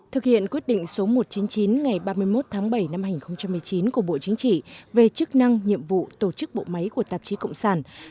thực hiện quyết định số một trăm chín mươi chín ngày ba mươi một tháng bảy năm hai nghìn một mươi chín của bộ chính trị về chức năng nhiệm vụ tổ chức bộ máy của tạp chí cộng sản